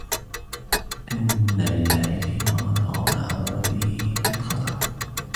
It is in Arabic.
إنَّا لِلَّهِ فِيمَا مَضَى مَا أَعْظَمَ فِيهِ الْخَطَرُ